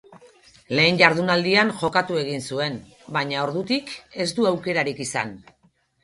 Lehen jardunaldian jokatu egin zuen, baina ordutik ez du aukerarik izan.